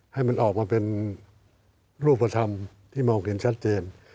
ให้มันออกมาเป็นรูปธรรมที่มองเห็นชัดเจน